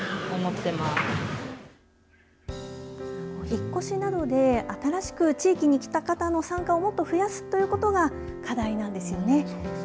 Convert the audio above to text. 引っ越しなどで新しく地域に来た方の参加をもっと増やすということが、課題なんですよね。